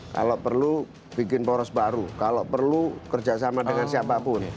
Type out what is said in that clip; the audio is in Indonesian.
kalau perlu bikin poros baru kalau perlu kerjasama dengan siapapun